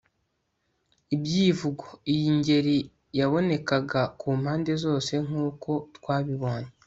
ibyivugo iyi ngeri yabonekaga kumpande zose nk'uko twabibonye